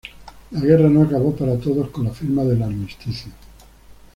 La guerra no acabó para todos con la firma del armisticio.